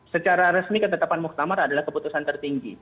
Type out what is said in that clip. secara resmi ketetapan muktamar adalah keputusan tertinggi